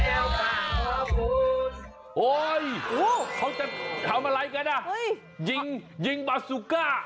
โอ้ยเขาจะทำอะไรกันยิงบาสุก้า